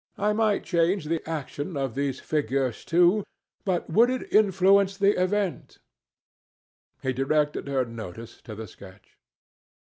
I might change the action of these figures too. But would it influence the event?" He directed her notice to the sketch.